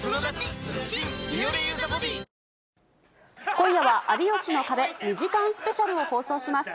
今夜は、有吉の壁２時間スペシャルを放送します。